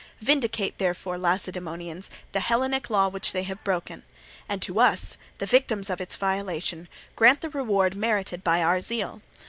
Vindicate, therefore, Lacedaemonians, the Hellenic law which they have broken; and to us, the victims of its violation, grant the reward merited by our zeal.